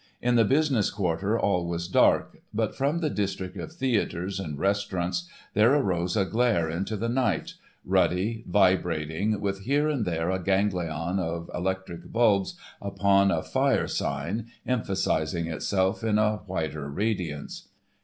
In the business quarter all was dark, but from the district of theatres and restaurants there arose a glare into the night, ruddy, vibrating, with here and there a ganglion of electric bulbs upon a "fire sign" emphasising itself in a whiter radiance.